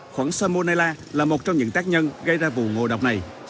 khoảng sarmonella là một trong những tác nhân gây ra vụ ngộ độc này